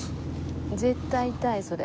絶対痛いそれ。